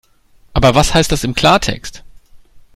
Aber was heißt das im Klartext?